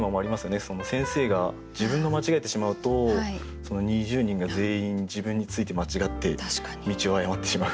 先生が自分が間違えてしまうと二十人が全員自分について間違って道を誤ってしまう。